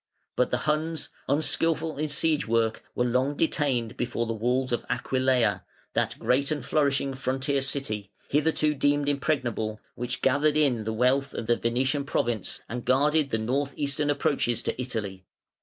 But the Huns, unskilful in siege work, were long detained before the walls of Aquileia, that great and flourishing frontier city, hitherto deemed impregnable, which gathered in the wealth of the Venetian province, and guarded the north eastern approaches to Italy.